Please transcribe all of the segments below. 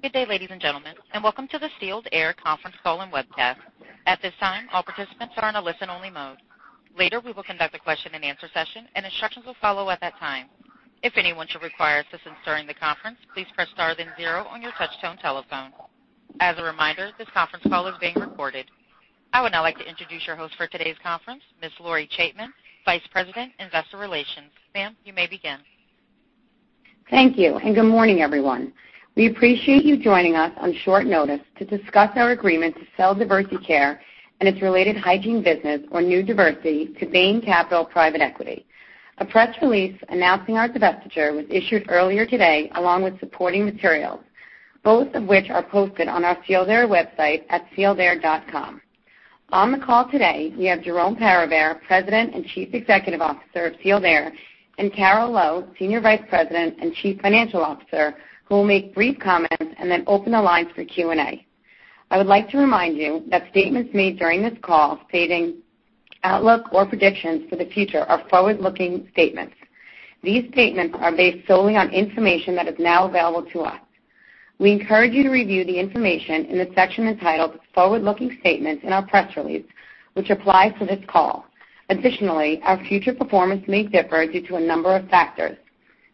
Good day, ladies and gentlemen, and welcome to the Sealed Air conference call and webcast. At this time, all participants are in a listen-only mode. Later, we will conduct a question-and-answer session, and instructions will follow at that time. If anyone should require assistance during the conference, please press star then zero on your touchtone telephone. As a reminder, this conference call is being recorded. I would now like to introduce your host for today's conference, Ms. Lori Chaitman, Vice President, Investor Relations. Ma'am, you may begin. Thank you, and good morning, everyone. We appreciate you joining us on short notice to discuss our agreement to sell Diversey Care and its related hygiene business, or New Diversey, to Bain Capital Private Equity. A press release announcing our divestiture was issued earlier today, along with supporting materials, both of which are posted on our Sealed Air website at sealedair.com. On the call today, we have Jerome Peribere, President and Chief Executive Officer of Sealed Air, and Carol Lowe, Senior Vice President and Chief Financial Officer, who will make brief comments and then open the lines for Q&A. I would like to remind you that statements made during this call stating outlook or predictions for the future are forward-looking statements. These statements are based solely on information that is now available to us. We encourage you to review the information in the section entitled Forward-Looking Statements in our press release, which applies to this call. Additionally, our future performance may differ due to a number of factors.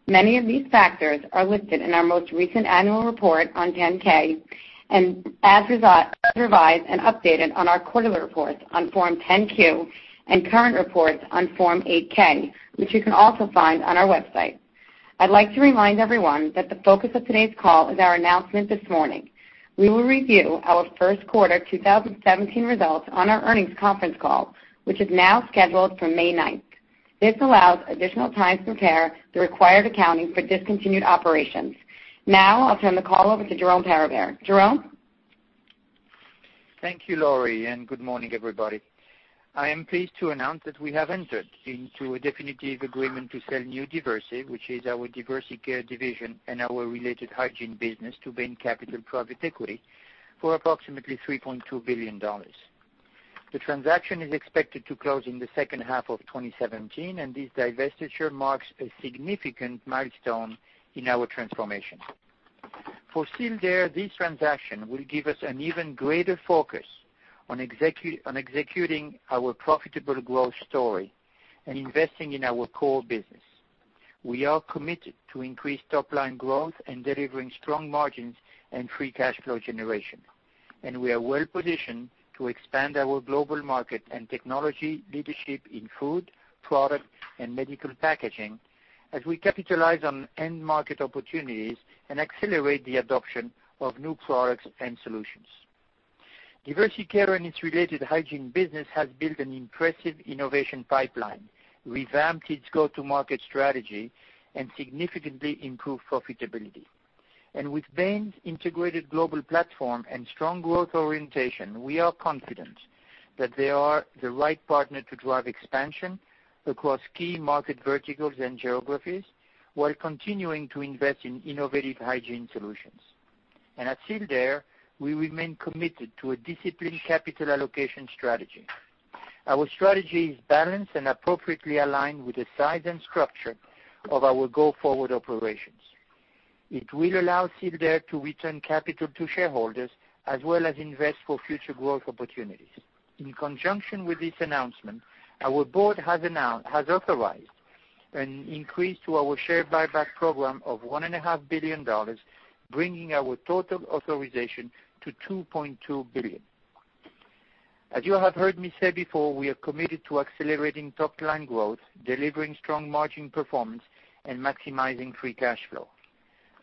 Many of these factors are listed in our most recent annual report on 10-K and as revised and updated on our quarterly reports on Form 10-Q and current reports on Form 8-K, which you can also find on our website. I'd like to remind everyone that the focus of today's call is our announcement this morning. We will review our first quarter 2017 results on our earnings conference call, which is now scheduled for May 9th. This allows additional time for care, the required accounting for discontinued operations. Now, I'll turn the call over to Jerome Peribere. Jerome? Thank you, Lori, and good morning, everybody. I am pleased to announce that we have entered into a definitive agreement to sell New Diversey, which is our Diversey Care division and our related hygiene business, to Bain Capital Private Equity for approximately $3.2 billion. The transaction is expected to close in the second half of 2017, and this divestiture marks a significant milestone in our transformation. For Sealed Air, this transaction will give us an even greater focus on executing our profitable growth story and investing in our core business. We are committed to increased top-line growth and delivering strong margins and free cash flow generation. We are well-positioned to expand our global market and technology leadership in food, product, and medical packaging as we capitalize on end-market opportunities and accelerate the adoption of new products and solutions. Diversey Care and its related hygiene business has built an impressive innovation pipeline, revamped its go-to-market strategy, and significantly improved profitability. With Bain's integrated global platform and strong growth orientation, we are confident that they are the right partner to drive expansion across key market verticals and geographies while continuing to invest in innovative hygiene solutions. At Sealed Air, we remain committed to a disciplined capital allocation strategy. Our strategy is balanced and appropriately aligned with the size and structure of our go-forward operations. It will allow Sealed Air to return capital to shareholders as well as invest for future growth opportunities. In conjunction with this announcement, our board has authorized an increase to our share buyback program of $1.5 billion, bringing our total authorization to $2.2 billion. As you have heard me say before, we are committed to accelerating top-line growth, delivering strong margin performance, and maximizing free cash flow.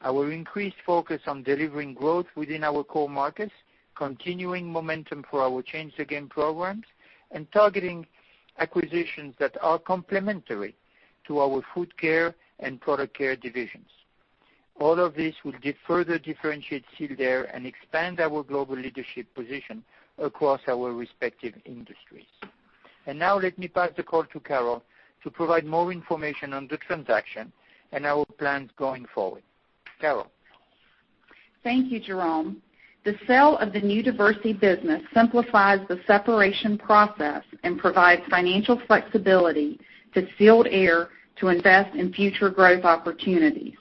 Our increased focus on delivering growth within our core markets, continuing momentum for our Change the Game programs, and targeting acquisitions that are complementary to our Food Care and Product Care divisions. All of this will further differentiate Sealed Air and expand our global leadership position across our respective industries. Now let me pass the call to Carol to provide more information on the transaction and our plans going forward. Carol? Thank you, Jerome. The sale of the New Diversey business simplifies the separation process and provides financial flexibility to Sealed Air to invest in future growth opportunities.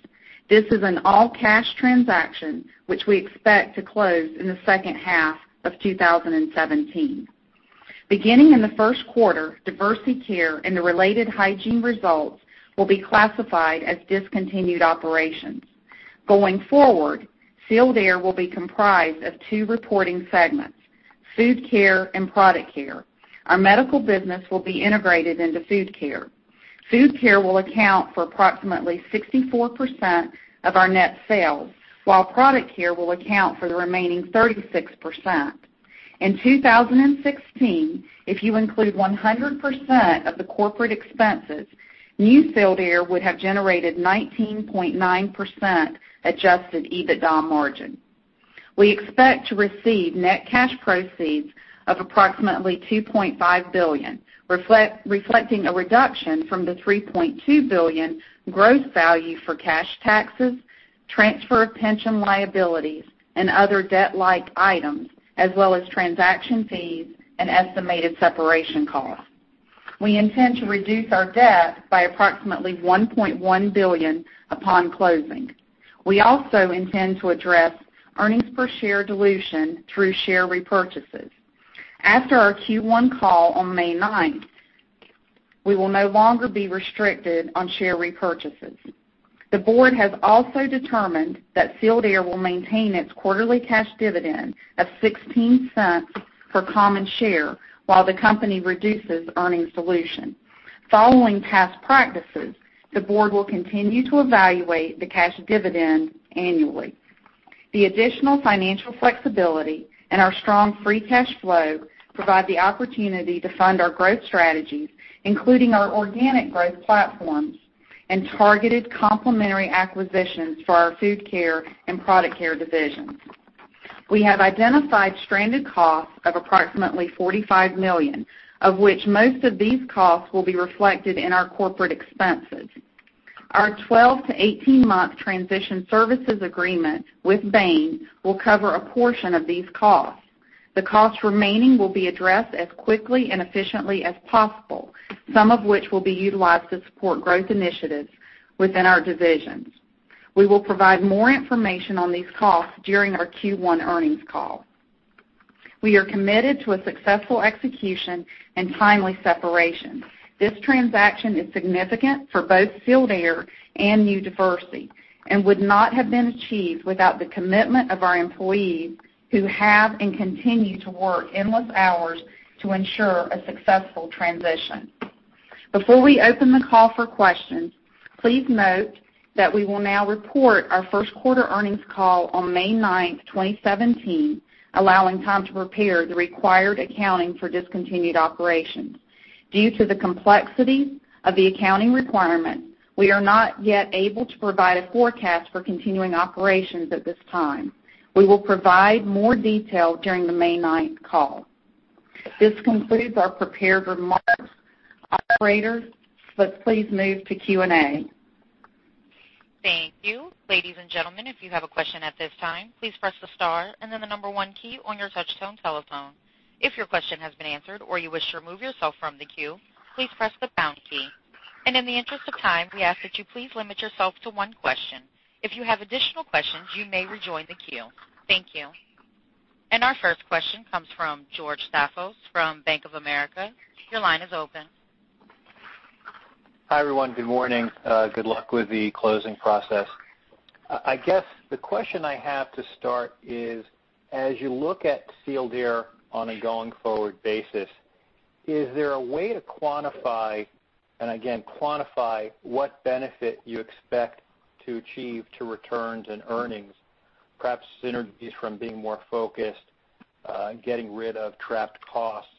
This is an all-cash transaction, which we expect to close in the second half of 2017. Beginning in the first quarter, Diversey Care and the related hygiene results will be classified as discontinued operations. Going forward, Sealed Air will be comprised of two reporting segments, Food Care and Product Care. Our medical business will be integrated into Food Care. Food Care will account for approximately 64% of our net sales, while Product Care will account for the remaining 36%. In 2016, if you include 100% of the corporate expenses, New Sealed Air would have generated 19.9% adjusted EBITDA margin. We expect to receive net cash proceeds of approximately $2.5 billion, reflecting a reduction from the $3.2 billion gross value for cash taxes, transfer of pension liabilities, and other debt-like items, as well as transaction fees and estimated separation costs. We intend to reduce our debt by approximately $1.1 billion upon closing. We also intend to address earnings per share dilution through share repurchases. After our Q1 call on May 9th, we will no longer be restricted on share repurchases. The board has also determined that Sealed Air will maintain its quarterly cash dividend of $0.16 per common share while the company reduces earnings dilution. Following past practices, the board will continue to evaluate the cash dividend annually. The additional financial flexibility and our strong free cash flow provide the opportunity to fund our growth strategies, including our organic growth platforms and targeted complementary acquisitions for our Food Care and Product Care divisions. We have identified stranded costs of approximately $45 million, of which most of these costs will be reflected in our corporate expenses. Our 12 to 18 month transition services agreement with Bain will cover a portion of these costs. The costs remaining will be addressed as quickly and efficiently as possible, some of which will be utilized to support growth initiatives within our divisions. We will provide more information on these costs during our Q1 earnings call. We are committed to a successful execution and timely separation. This transaction is significant for both Sealed Air and New Diversey, and would not have been achieved without the commitment of our employees who have and continue to work endless hours to ensure a successful transition. Before we open the call for questions, please note that we will now report our first quarter earnings call on May 9th, 2017, allowing time to prepare the required accounting for discontinued operations. Due to the complexity of the accounting requirement, we are not yet able to provide a forecast for continuing operations at this time. We will provide more detail during the May 9th call. This concludes our prepared remarks. Operator, let's please move to Q&A. Thank you. Ladies and gentlemen, if you have a question at this time, please press the star and then the number one key on your touch tone telephone. If your question has been answered or you wish to remove yourself from the queue, please press the pound key. In the interest of time, we ask that you please limit yourself to one question. If you have additional questions, you may rejoin the queue. Thank you. Our first question comes from George Staphos from Bank of America. Your line is open. Hi, everyone. Good morning. Good luck with the closing process. I guess the question I have to start is, as you look at Sealed Air on a going forward basis, is there a way to quantify, and again, quantify what benefit you expect to achieve to returns and earnings, perhaps synergies from being more focused, getting rid of trapped costs,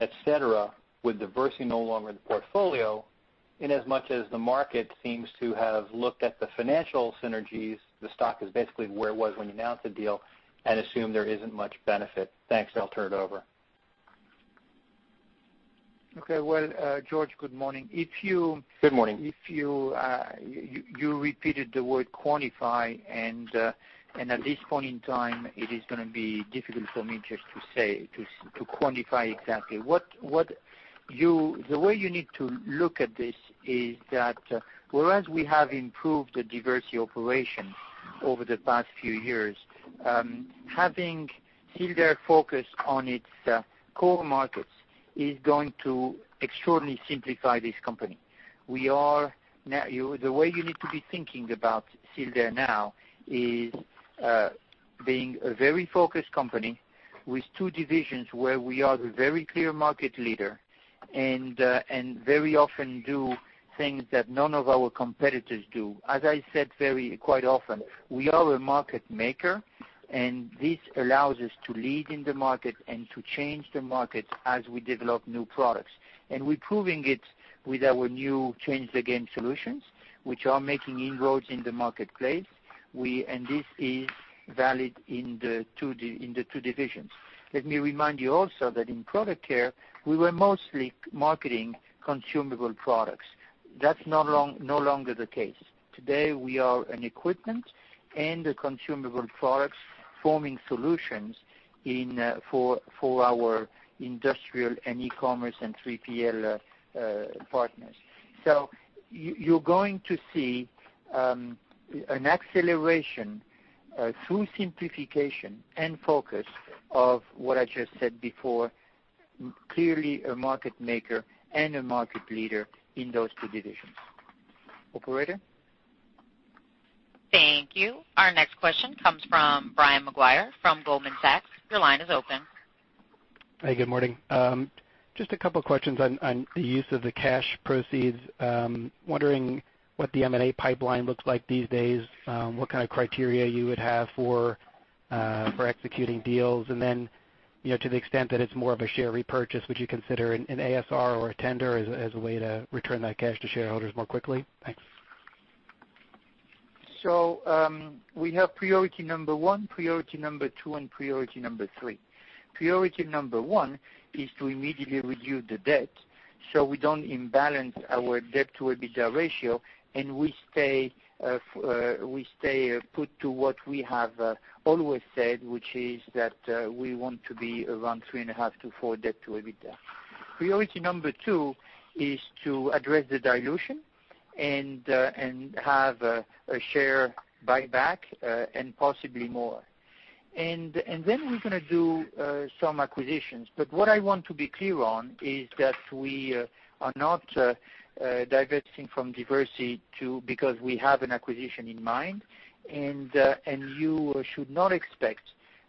et cetera, with Diversey no longer in the portfolio, in as much as the market seems to have looked at the financial synergies, the stock is basically where it was when you announced the deal, and assume there isn't much benefit. Thanks. I'll turn it over. Okay. Well, George, good morning. Good morning. You repeated the word quantify. At this point in time, it is going to be difficult for me just to say, to quantify exactly. The way you need to look at this is that whereas we have improved the Diversey operations over the past few years, having Sealed Air focus on its core markets is going to extraordinarily simplify this company. The way you need to be thinking about Sealed Air now is being a very focused company with two divisions where we are the very clear market leader and very often do things that none of our competitors do. As I said quite often, we are a market maker. This allows us to lead in the market and to change the market as we develop new products. We're proving it with our new Change the Game solutions, which are making inroads in the marketplace, and this is valid in the two divisions. Let me remind you also that in Product Care, we were mostly marketing consumable products. That's no longer the case. Today, we are an equipment and a consumable products forming solutions for our industrial and e-commerce and 3PL partners. You're going to see an acceleration through simplification and focus of what I just said before, clearly a market maker and a market leader in those two divisions. Operator? Thank you. Our next question comes from Brian Maguire from Goldman Sachs. Your line is open. Hey, good morning. Just a couple of questions on the use of the cash proceeds. Wondering what the M&A pipeline looks like these days, what kind of criteria you would have for executing deals, and then to the extent that it's more of a share repurchase, would you consider an ASR or a tender as a way to return that cash to shareholders more quickly? Thanks. We have priority number one, priority number two, and priority number three. Priority number one is to immediately reduce the debt so we don't imbalance our debt to EBITDA ratio and we stay put to what we have always said, which is that we want to be around three and a half to four debt to EBITDA. Priority number two is to address the dilution. Have a share buyback, and possibly more. We're going to do some acquisitions. What I want to be clear on is that we are not divesting from Diversey because we have an acquisition in mind, and you should not expect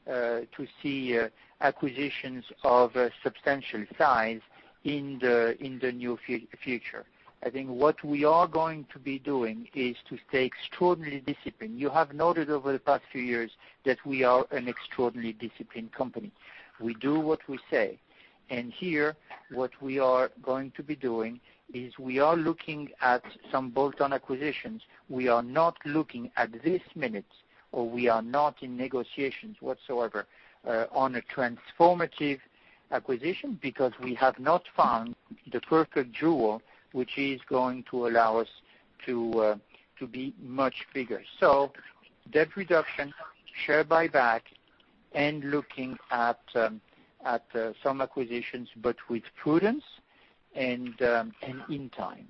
to see acquisitions of substantial size in the near future. I think what we are going to be doing is to stay extraordinarily disciplined. You have noted over the past few years that we are an extraordinarily disciplined company. We do what we say. Here, what we are going to be doing is we are looking at some bolt-on acquisitions. We are not looking at this minute, or we are not in negotiations whatsoever on a transformative acquisition because we have not found the perfect jewel which is going to allow us to be much bigger. Debt reduction, share buyback, and looking at some acquisitions, but with prudence and in time.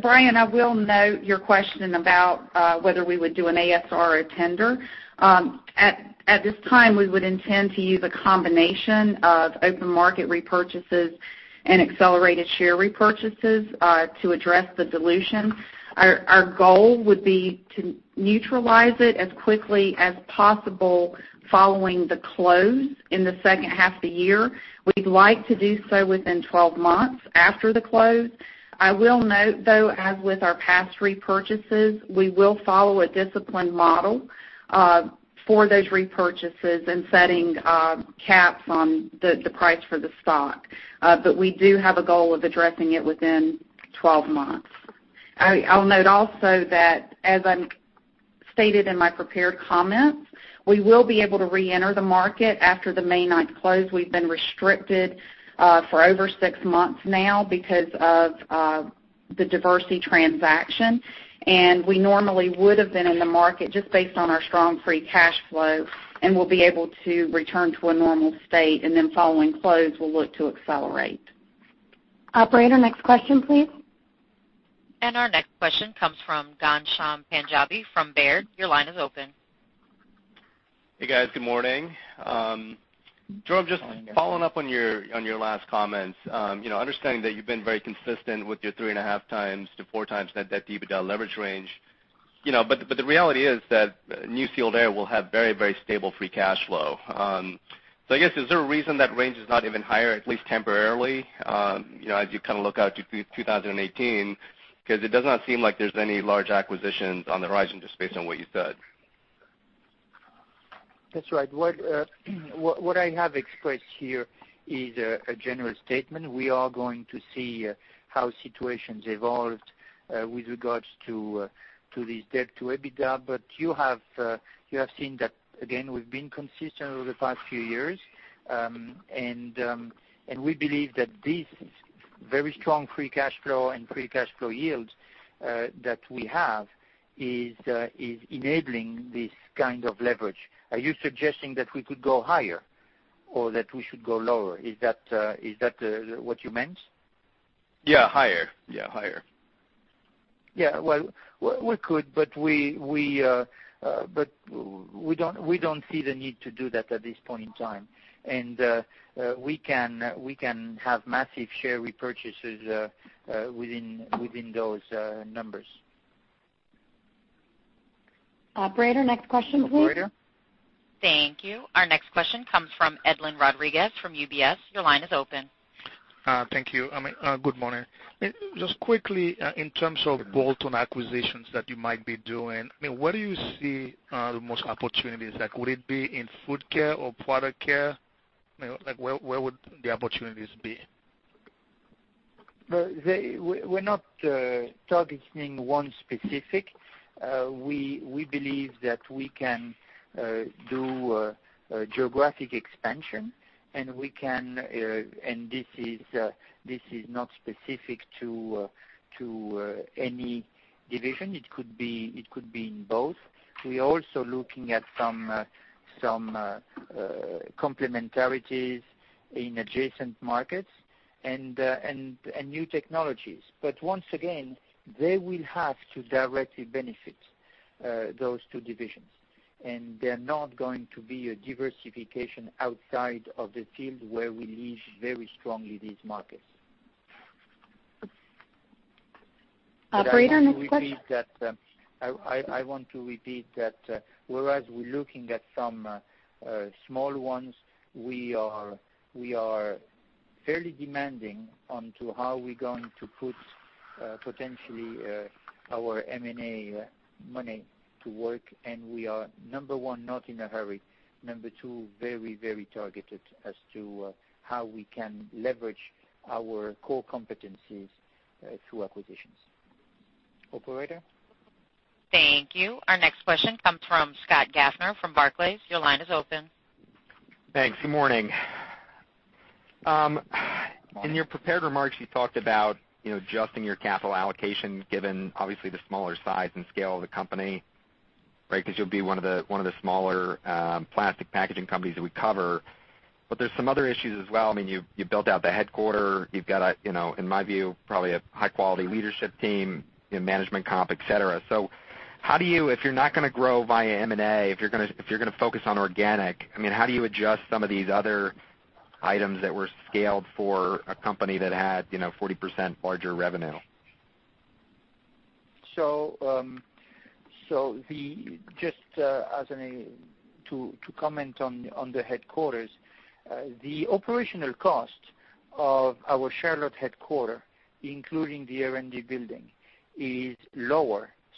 Brian, I will note your question about whether we would do an ASR or a tender. At this time, we would intend to use a combination of open market repurchases and accelerated share repurchases to address the dilution. Our goal would be to neutralize it as quickly as possible following the close in the second half of the year. We'd like to do so within 12 months after the close. I will note, though, as with our past repurchases, we will follow a disciplined model for those repurchases and setting caps on the price for the stock. We do have a goal of addressing it within 12 months. I'll note also that as I stated in my prepared comments, we will be able to reenter the market after the May 9th close. We've been restricted for over six months now because of the Diversey transaction. We normally would have been in the market just based on our strong free cash flow, and we'll be able to return to a normal state. Then following close, we'll look to accelerate. Operator, next question, please. Our next question comes from Ghansham Panjabi from Baird. Your line is open. Hey, guys. Good morning. Jerome, just following up on your last comments. Understanding that you've been very consistent with your 3.5x-4x net debt-to-EBITDA leverage range. The reality is that New Sealed Air will have very stable free cash flow. I guess, is there a reason that range is not even higher, at least temporarily, as you kind of look out to 2018? It does not seem like there's any large acquisitions on the horizon, just based on what you said. That's right. What I have expressed here is a general statement. We are going to see how situations evolved with regards to this debt to EBITDA. You have seen that, again, we've been consistent over the past few years. We believe that this very strong free cash flow and free cash flow yield that we have is enabling this kind of leverage. Are you suggesting that we could go higher or that we should go lower? Is that what you meant? Yeah, higher. Well, we could, but we don't see the need to do that at this point in time. We can have massive share repurchases within those numbers. Operator, next question, please. Thank you. Our next question comes from Edlyn Rodriguez from UBS. Your line is open. Thank you. Good morning. Just quickly, in terms of bolt-on acquisitions that you might be doing, where do you see the most opportunities? Would it be in Food Care or Product Care? Where would the opportunities be? We're not targeting one specific. We believe that we can do geographic expansion. This is not specific to any division. It could be in both. We're also looking at some complementarities in adjacent markets and new technologies. Once again, they will have to directly benefit those two divisions. They're not going to be a diversification outside of the field where we lead very strongly these markets. Operator, next question. I want to repeat that whereas we're looking at some small ones, we are fairly demanding onto how we're going to put potentially our M&A money to work. We are, number one, not in a hurry, number two, very targeted as to how we can leverage our core competencies through acquisitions. Operator? Thank you. Our next question comes from Scott Gaffner from Barclays. Your line is open. Thanks. Good morning. Morning. In your prepared remarks, you talked about adjusting your capital allocation given obviously the smaller size and scale of the company. Because you'll be one of the smaller plastic packaging companies that we cover. There's some other issues as well. You built out the headquarter. You've got, in my view, probably a high-quality leadership team, good management comp, et cetera. If you're not going to grow via M&A, if you're going to focus on organic, how do you adjust some of these other items that were scaled for a company that had 40% larger revenue? Just to comment on the headquarters. The operational cost of our Charlotte headquarter, including the R&D building, is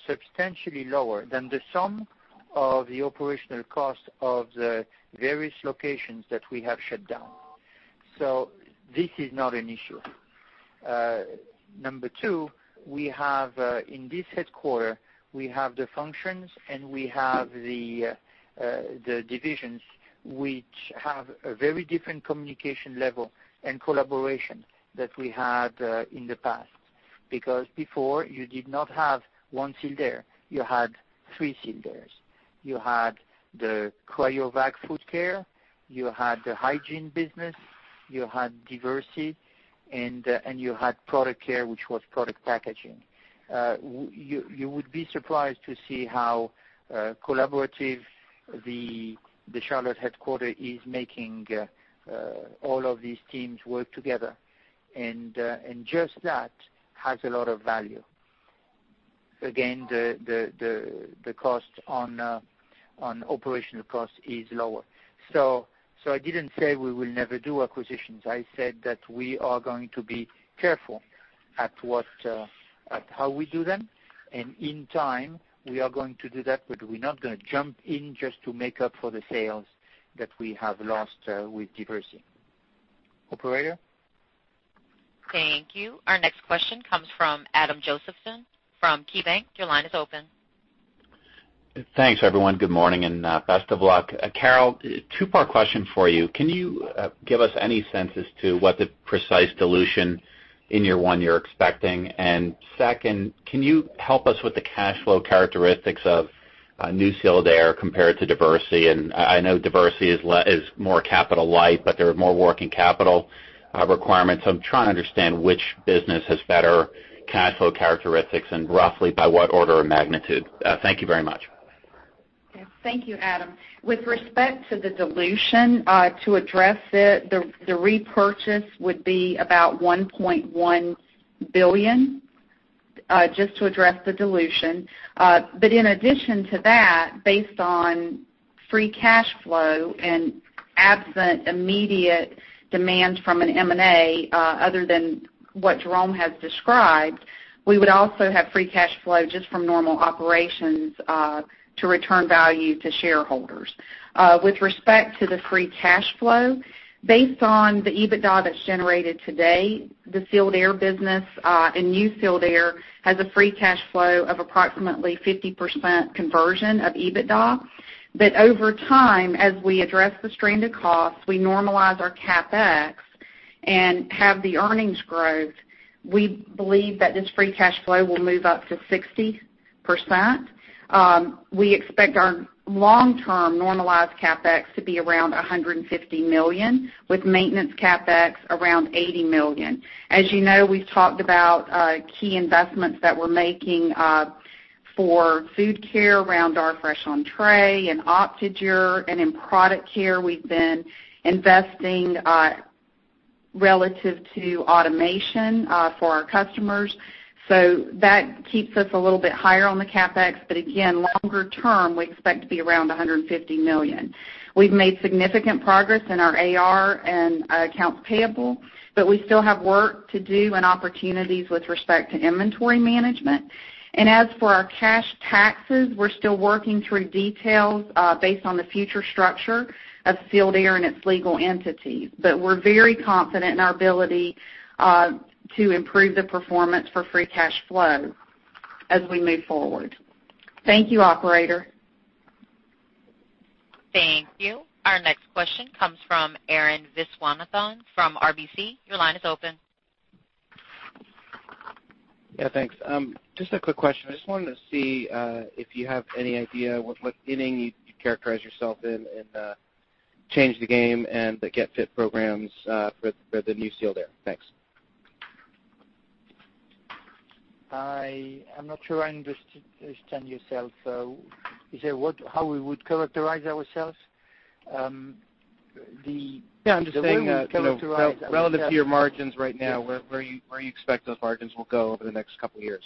substantially lower than the sum of the operational cost of the various locations that we have shut down. This is not an issue. Number two, in this headquarter, we have the functions and we have the divisions which have a very different communication level and collaboration that we had in the past. Before, you did not have one Sealed Air, you had three Sealed Airs. You had the Cryovac Food Care, you had the hygiene business, you had Diversey, and you had Product Care, which was product packaging. You would be surprised to see how collaborative the Charlotte headquarter is making all of these teams work together. Just that has a lot of value. Again, the operational cost is lower. I didn't say we will never do acquisitions. I said that we are going to be careful at how we do them. In time, we are going to do that, we're not going to jump in just to make up for the sales that we have lost with Diversey. Operator? Thank you. Our next question comes from Adam Josephson from KeyBank. Your line is open. Thanks, everyone. Good morning, and best of luck. Carol, two-part question for you. Can you give us any sense as to what the precise dilution in year one you're expecting? Second, can you help us with the cash flow characteristics of New Sealed Air compared to Diversey? I know Diversey is more capital light, there are more working capital requirements. I'm trying to understand which business has better cash flow characteristics and roughly by what order of magnitude. Thank you very much. Okay. Thank you, Adam. With respect to the dilution, to address it, the repurchase would be about $1.1 billion, just to address the dilution. In addition to that, based on free cash flow and absent immediate demand from an M&A other than what Jerome has described, we would also have free cash flow just from normal operations to return value to shareholders. With respect to the free cash flow, based on the EBITDA that's generated today, the Sealed Air business and New Sealed Air has a free cash flow of approximately 50% conversion of EBITDA. Over time, as we address the stranded costs, we normalize our CapEx and have the earnings growth. We believe that this free cash flow will move up to 60%. We expect our long-term normalized CapEx to be around $150 million, with maintenance CapEx around $80 million. As you know, we've talked about key investments that we're making for Food Care around our Fresh Entrée and OptiGrill. In Product Care, we've been investing relative to automation for our customers. That keeps us a little bit higher on the CapEx, but again, longer term, we expect to be around $150 million. We've made significant progress in our AR and accounts payable, but we still have work to do and opportunities with respect to inventory management. As for our cash taxes, we're still working through details based on the future structure of Sealed Air and its legal entities. We're very confident in our ability to improve the performance for free cash flow as we move forward. Thank you, operator. Thank you. Our next question comes from Arun Viswanathan from RBC. Your line is open. Thanks. Just a quick question. I just wanted to see if you have any idea what inning you characterize yourself in Change the Game and the Get Fit programs for the New Sealed Air. Thanks. I am not sure I understand yourself. You said how we would characterize ourselves? Yeah, I'm just saying. The way we characterize ourselves. relative to your margins right now, where you expect those margins will go over the next couple of years.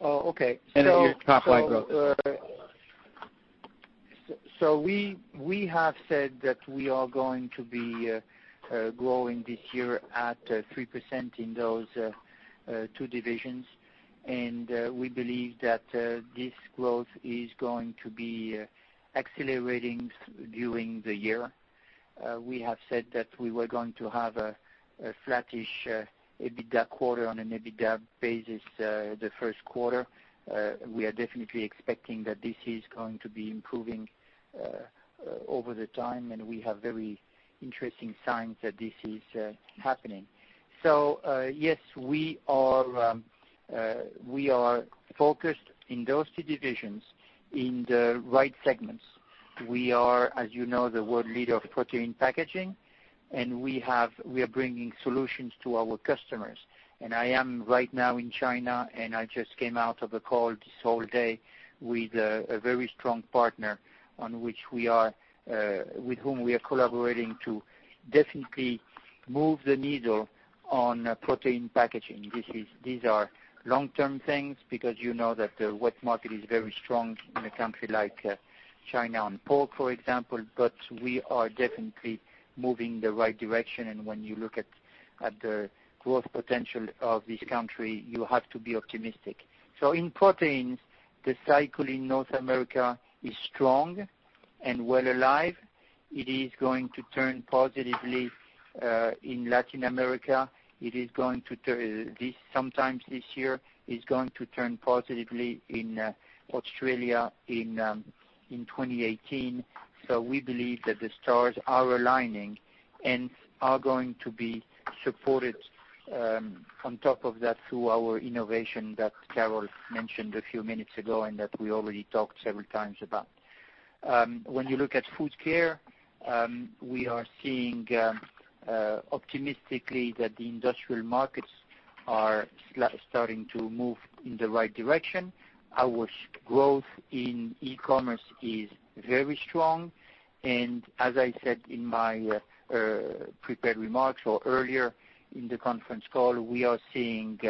Oh, okay. Your top line growth. We have said that we are going to be growing this year at 3% in those two divisions, and we believe that this growth is going to be accelerating during the year. We have said that we were going to have a flattish EBITDA quarter on an EBITDA basis the first quarter. We are definitely expecting that this is going to be improving over the time, and we have very interesting signs that this is happening. Yes, we are focused in those two divisions in the right segments. We are, as you know, the world leader of protein packaging, and we are bringing solutions to our customers. I am right now in China, and I just came out of a call this whole day with a very strong partner with whom we are collaborating to definitely move the needle on protein packaging. These are long-term things because you know that the wet market is very strong in a country like China on pork, for example, but we are definitely moving in the right direction. When you look at the growth potential of this country, you have to be optimistic. In proteins, the cycle in North America is strong and well alive. It is going to turn positively in Latin America. Sometime this year, it's going to turn positively in Australia in 2018. We believe that the stars are aligning and are going to be supported on top of that through our innovation that Carol mentioned a few minutes ago and that we already talked several times about. When you look at Food Care, we are seeing optimistically that the industrial markets are starting to move in the right direction. Our growth in e-commerce is very strong. As I said in my prepared remarks or earlier in the conference call, we are seeing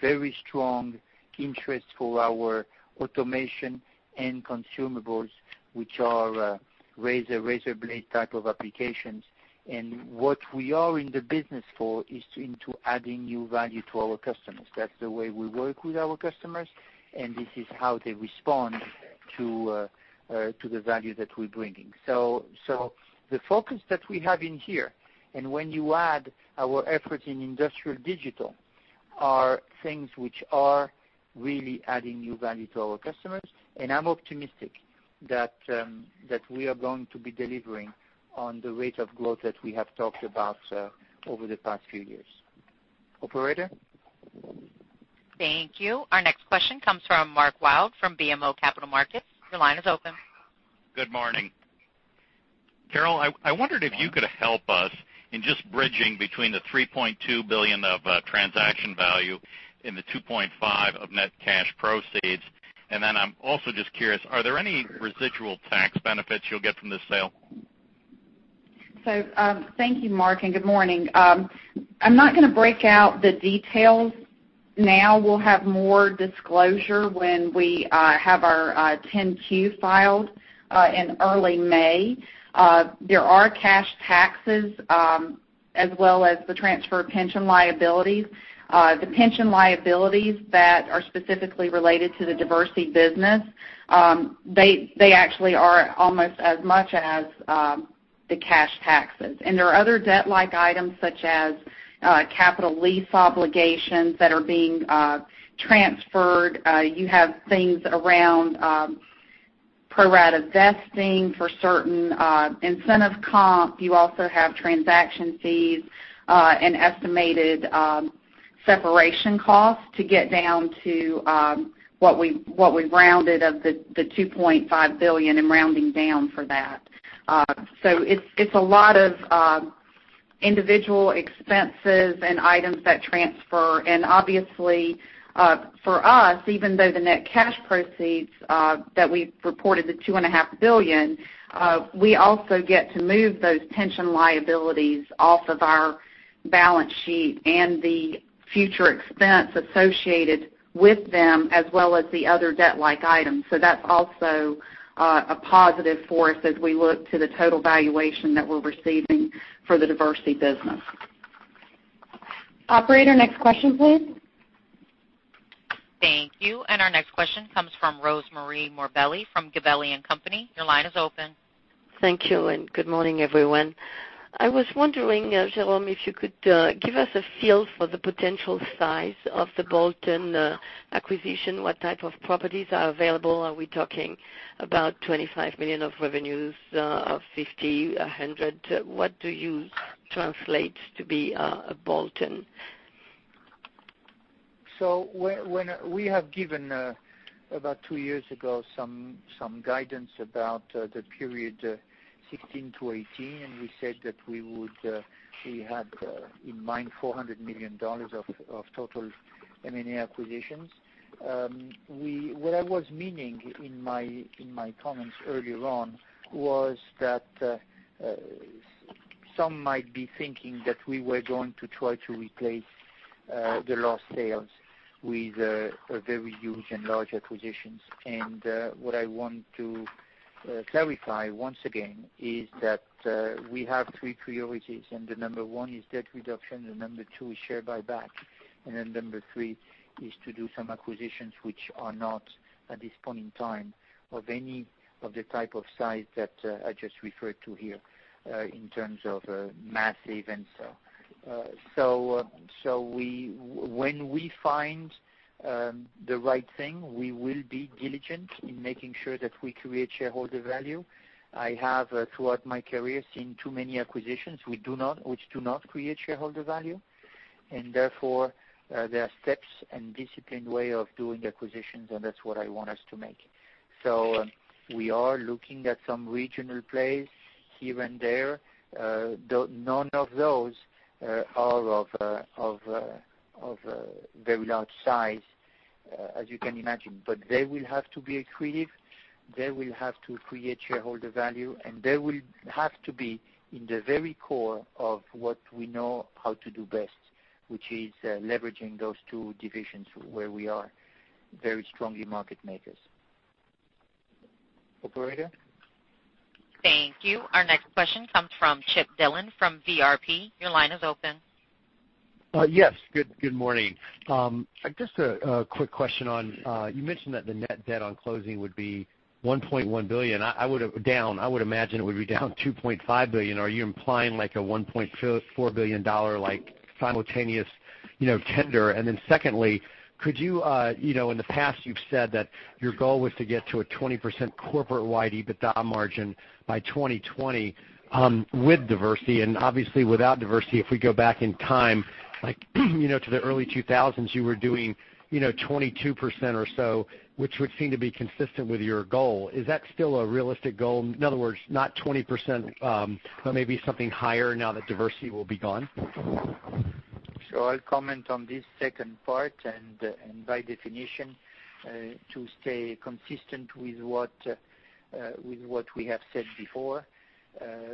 very strong interest for our automation and consumables, which are razor blade type of applications. What we are in the business for is into adding new value to our customers. That's the way we work with our customers, and this is how they respond to the value that we're bringing. The focus that we have in here, and when you add our effort in industrial digital, are things which are really adding new value to our customers. I'm optimistic that we are going to be delivering on the rate of growth that we have talked about over the past few years. Operator? Thank you. Our next question comes from Mark Wilde from BMO Capital Markets. Your line is open. Good morning. Carol, I wondered if you could help us in just bridging between the $3.2 billion of transaction value and the $2.5 of net cash proceeds. Then I'm also just curious, are there any residual tax benefits you'll get from this sale? Thank you, Mark, and good morning. I'm not going to break out the details now. We'll have more disclosure when we have our 10-Q filed in early May. There are cash taxes as well as the transfer pension liabilities. The pension liabilities that are specifically related to the Diversey business, they actually are almost as much as the cash taxes. There are other debt-like items, such as capital lease obligations that are being transferred. You have things around pro rata vesting for certain incentive comp. You also have transaction fees and estimated separation costs to get down to what we rounded of the $2.5 billion and rounding down for that. It's a lot of individual expenses and items that transfer. Obviously, for us, even though the net cash proceeds that we've reported, the $2.5 billion, we also get to move those pension liabilities off of our balance sheet and the future expense associated with them, as well as the other debt-like items. That's also a positive for us as we look to the total valuation that we're receiving for the Diversey business. Operator, next question please. Thank you. Our next question comes from Rosemarie Morbelli from Gabelli & Company. Your line is open. Thank you. Good morning, everyone. I was wondering, Jerome, if you could give us a feel for the potential size of the bolt-on acquisition. What type of properties are available? Are we talking about $25 million of revenues, of $50 million, $100 million? What do you translate to be bolt-on? We have given, about two years ago, some guidance about the period 2016 to 2018, and we said that we had in mind $400 million of total M&A acquisitions. What I was meaning in my comments earlier on was that some might be thinking that we were going to try to replace the lost sales with very huge and large acquisitions. What I want to clarify once again is that we have three priorities, and the number 1 is debt reduction, the number 2 is share buyback, and the number 3 is to do some acquisitions which are not, at this point in time, of any of the type of size that I just referred to here in terms of massive. When we find the right thing, we will be diligent in making sure that we create shareholder value. I have, throughout my career, seen too many acquisitions which do not create shareholder value. Therefore, there are steps and disciplined way of doing acquisitions, and that's what I want us to make. We are looking at some regional plays here and there. Though none of those are of a very large size, as you can imagine. They will have to be accretive, they will have to create shareholder value, and they will have to be in the very core of what we know how to do best, which is leveraging those two divisions where we are very strongly market makers. Operator? Thank you. Our next question comes from Chip Dillon from Vertical Research Partners. Your line is open. Yes. Good morning. Just a quick question on, you mentioned that the net debt on closing would be $1.1 billion. I would imagine it would be down $2.5 billion. Are you implying like a $1.4 billion simultaneous tender? Then secondly, in the past you've said that your goal was to get to a 20% corporate-wide EBITDA margin by 2020 with Diversey, and obviously without Diversey, if we go back in time, to the early 2000s, you were doing 22% or so, which would seem to be consistent with your goal. Is that still a realistic goal? In other words, not 20%, but maybe something higher now that Diversey will be gone. I'll comment on this second part, and by definition, to stay consistent with what we have said before,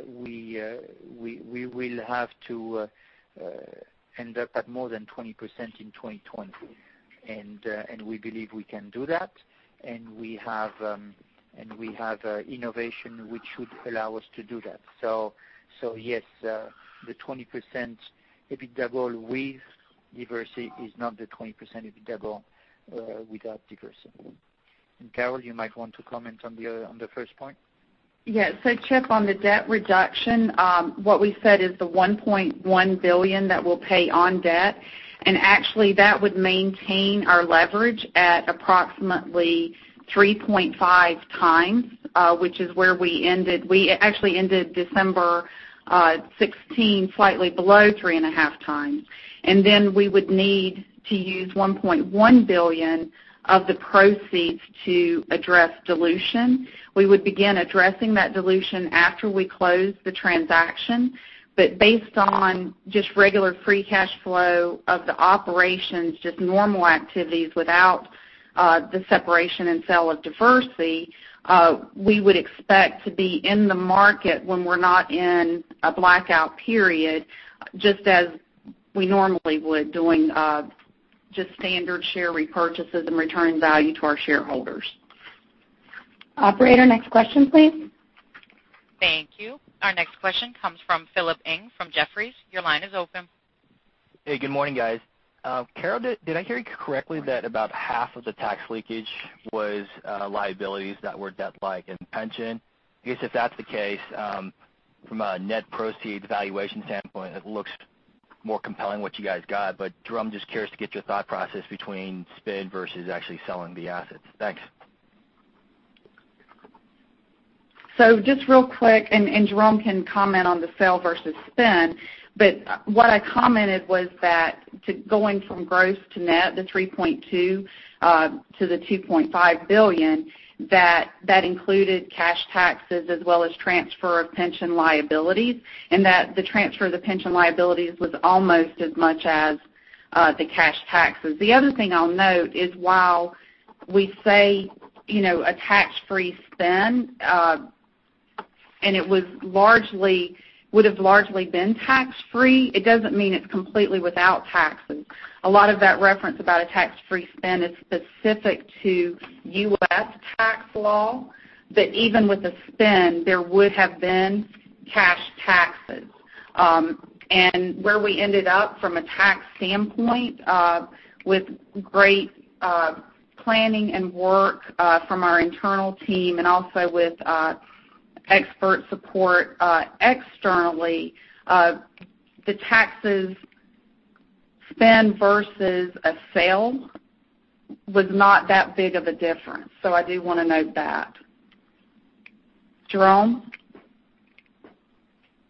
we will have to end up at more than 20% in 2020. We believe we can do that, and we have innovation which should allow us to do that. Yes, the 20% EBITDA with Diversey is not the 20% EBITDA without Diversey. Carol, you might want to comment on the first point. Yes. Chip, on the debt reduction, what we said is the $1.1 billion that we'll pay on debt, and actually that would maintain our leverage at approximately 3.5 times, which is where we ended. We actually ended December 2016 slightly below three and a half times. Then we would need to use $1.1 billion of the proceeds to address dilution. We would begin addressing that dilution after we close the transaction. Based on just regular free cash flow of the operations, just normal activities without the separation and sale of Diversey, we would expect to be in the market when we're not in a blackout period, just as we normally would doing just standard share repurchases and returning value to our shareholders. Operator, next question, please. Thank you. Our next question comes from Philip Ng from Jefferies. Your line is open. Hey, good morning, guys. Carol, did I hear you correctly that about half of the tax leakage was liabilities that were debt-like and pension? I guess if that's the case, from a net proceeds valuation standpoint, it looks more compelling what you guys got. Jerome, just curious to get your thought process between spin versus actually selling the assets. Thanks. Just real quick, Jerome can comment on the sell versus spin, but what I commented was that going from gross to net, the $3.2 billion-$2.5 billion, that included cash taxes as well as transfer of pension liabilities, and that the transfer of the pension liabilities was almost as much as the cash taxes. The other thing I'll note is while we say, a tax-free spin, and it would've largely been tax-free, it doesn't mean it's completely without taxes. A lot of that reference about a tax-free spin is specific to U.S. tax law, that even with a spin, there would have been cash taxes. Where we ended up from a tax standpoint, with great planning and work from our internal team and also with expert support externally, the taxes spin versus a sale was not that big of a difference. I do want to note that. Jerome?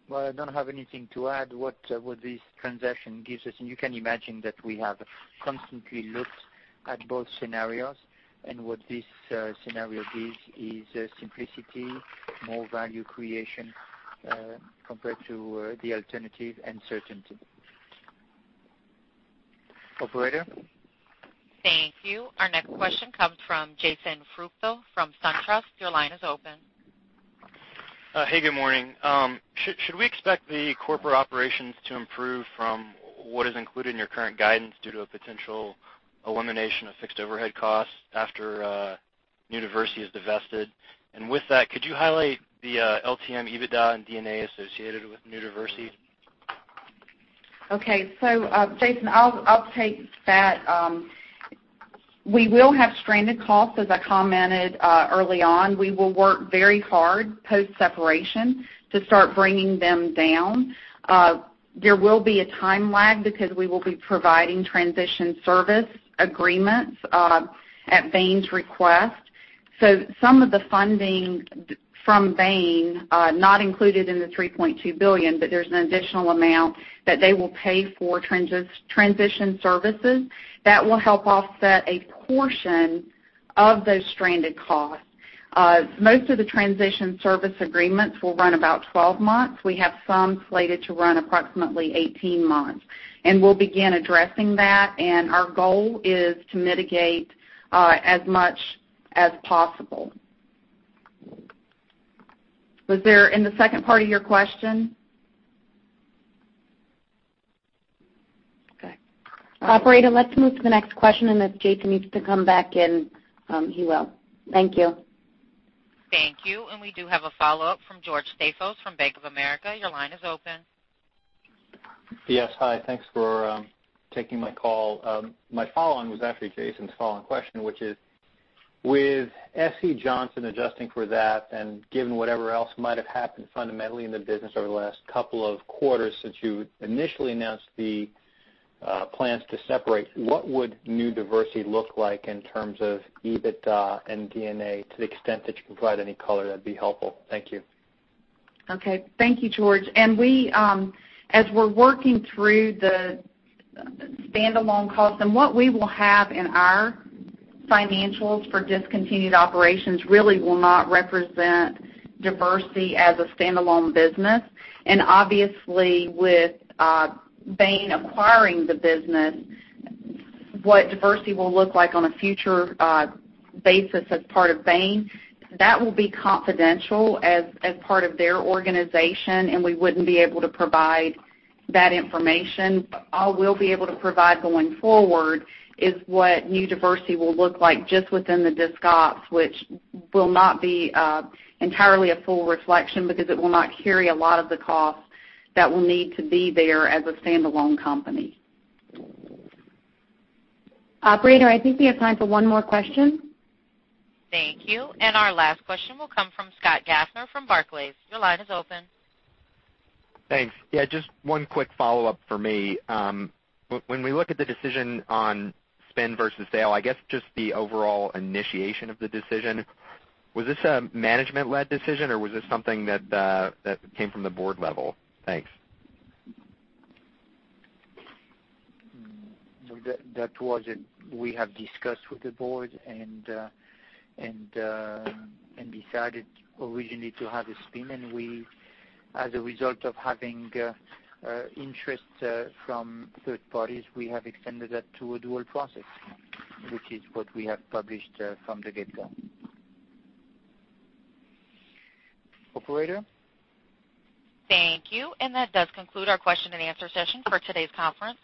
Well, I don't have anything to add. What this transaction gives us, and you can imagine that we have constantly looked at both scenarios, what this scenario gives is simplicity, more value creation, compared to the alternative, and certainty. Operator? Thank you. Our next question comes from Jason Fruchthendler from SunTrust. Your line is open. Hey, good morning. Should we expect the corporate operations to improve from what is included in your current guidance due to a potential elimination of fixed overhead costs after New Diversey is divested? With that, could you highlight the LTM, EBITDA, and D&A associated with New Diversey? Okay. Jason, I'll take that. We will have stranded costs, as I commented early on. We will work very hard post-separation to start bringing them down. There will be a time lag because we will be providing transition service agreements at Bain's request. Some of the funding from Bain, not included in the $3.2 billion, but there's an additional amount that they will pay for transition services. That will help offset a portion of those stranded costs. Most of the transition service agreements will run about 12 months. We have some slated to run approximately 18 months. We'll begin addressing that, and our goal is to mitigate as much as possible. Was there any second part to your question? Okay. Operator, let's move to the next question, and if Jason needs to come back in, he will. Thank you. Thank you. We do have a follow-up from George Staphos from Bank of America. Your line is open. Yes. Hi, thanks for taking my call. My follow-on was actually Jason's follow-on question, which is, with SC Johnson adjusting for that and given whatever else might have happened fundamentally in the business over the last couple of quarters since you initially announced the plans to separate, what would New Diversey look like in terms of EBITDA and D&A? To the extent that you can provide any color, that'd be helpful. Thank you. Okay. Thank you, George. As we're working through the standalone costs, what we will have in our financials for discontinued operations really will not represent Diversey as a standalone business. Obviously, with Bain acquiring the business, what Diversey will look like on a future basis as part of Bain, that will be confidential as part of their organization, and we wouldn't be able to provide that information. All we'll be able to provide going forward is what New Diversey will look like just within the discontinued operations, which will not be entirely a full reflection because it will not carry a lot of the costs that will need to be there as a standalone company. Operator, I think we have time for one more question. Thank you. Our last question will come from Scott Gaffner from Barclays. Your line is open. Thanks. Yeah, just one quick follow-up from me. When we look at the decision on spin versus sale, I guess just the overall initiation of the decision, was this a management-led decision, or was this something that came from the board level? Thanks. That was it. We have discussed with the board and decided originally to have a spin, and as a result of having interest from third parties, we have extended that to a dual process, which is what we have published from the get-go. Operator? Thank you. That does conclude our question and answer session for today's conference.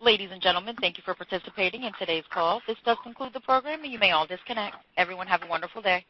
Ladies and gentlemen, thank you for participating in today's call. This does conclude the program. You may all disconnect. Everyone, have a wonderful day.